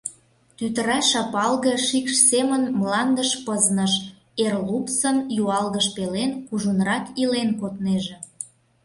Тӱтыра шапалге шикш семын мландыш пызныш, эр лупсын юалгыж пелен кужунрак илен коднеже.